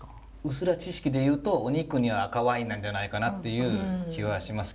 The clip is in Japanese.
薄ら知識で言うとお肉には赤ワインなんじゃないかなという気はしますけど。